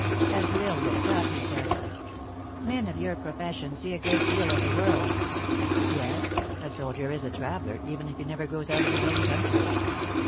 As L Isle looked up, he said: 141 THE ACTRESS IN HIGH LIFE. " Men of your profession see a great deal of the world." " Yes. A soldier is a traveler, even if he never goes out of his own country."